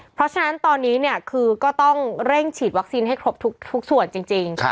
เพราะฉะนั้นตอนนี้คือก็ต้องเร่งฉีดวัคซีนให้ครบทุกส่วนจริง